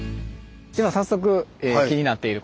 では早速気になっている